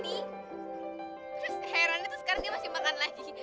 terus heran itu sekarang dia masih makan lagi